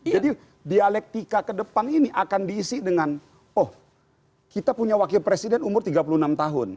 jadi dialektika ke depan ini akan diisi dengan oh kita punya wakil presiden umur tiga puluh enam tahun